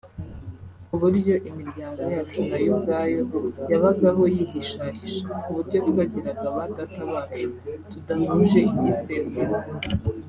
kuburyo imiryango yacu nayo ubwayo yabagaho yihishahisha kuburyo twagiraga ba data bacu tudahuje igisekuru